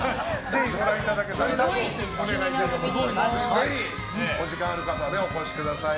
ぜひ、お時間ある方はお越しください。